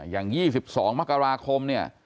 อย่าง๒๒มกรคม